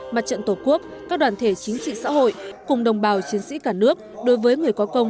mặt trận tổ quốc các đoàn thể chính trị xã hội cùng đồng bào chiến sĩ cả nước đối với người có công